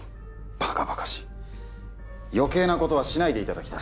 ばかばかしい余計なことはしないでいただきたい